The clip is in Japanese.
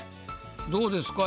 どうですか？